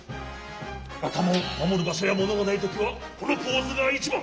あたまをまもるばしょやものがないときはこのポーズがいちばん！